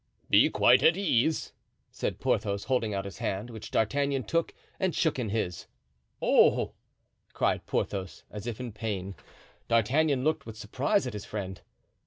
"Be quite at ease," said Porthos, holding out his hand, which D'Artagnan took and shook in his. "Oh!" cried Porthos, as if in pain. D'Artagnan looked with surprise at his friend.